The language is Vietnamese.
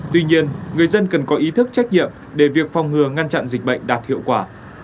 tuy nhiên người dân cần có ý thức trách nhiệm để việc phòng ngừa ngăn chặn dịch bệnh đạt hiệu quả